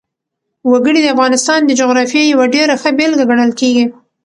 وګړي د افغانستان د جغرافیې یوه ډېره ښه بېلګه ګڼل کېږي.